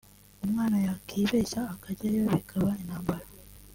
umwana yakwibeshya akajyayo bikaba intambara